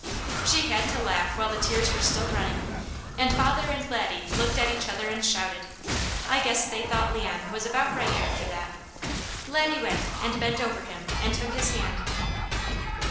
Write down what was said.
She had to laugh while the tears were still running, and father and Laddie looked at each other and shouted. I guess they thought Leon was about right after that. Laddie went and bent over him and took his hand.